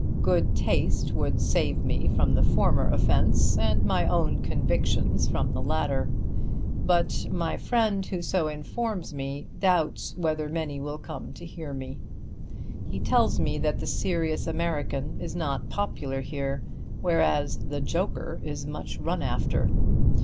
Good taste would save me from the former offence, and my own convictions from the latter. But my friend who so informs me doubts whether many will come to hear me. He tells me that the serious American is not popular here, whereas the joker is much run after.